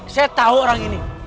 saya tahu orang ini